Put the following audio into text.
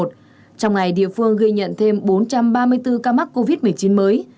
trong ngày địa phương ghi nhận thêm bốn trăm ba mươi bốn ca mắc covid một mươi chín mới